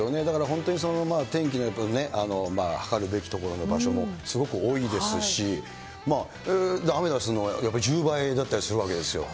本当に天気の測るべきところの場所も、すごく多いですし、アメダスの１０倍だったりするわけですよ。